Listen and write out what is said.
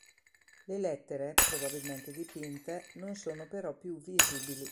Le lettere, probabilmente dipinte, non sono però più visibili.